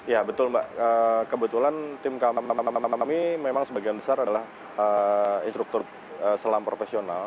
ya betul mbak kebetulan tim kami memang sebagian besar adalah instruktur selam profesional